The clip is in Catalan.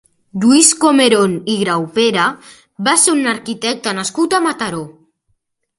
Lluís Comerón i Graupera va ser un arquitecte nascut a Mataró.